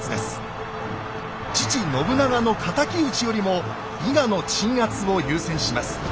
父・信長の敵討ちよりも伊賀の鎮圧を優先します。